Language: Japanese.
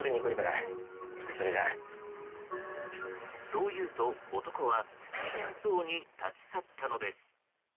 そう言うと、男は不機嫌そうに立ち去ったのです。